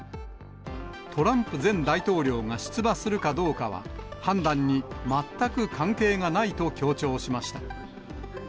トランプ前大統領が出馬するかどうかは、判断に全く関係がないと強調しました。